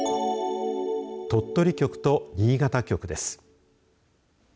鳥取局と新潟局です。